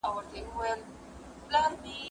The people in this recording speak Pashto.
درسونه د ښوونکو له خوا ښوول کيږي!؟